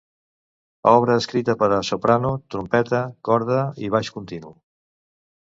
Obra escrita per a soprano, trompeta, corda i baix continu.